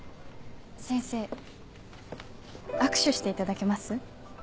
先生握手していただけます？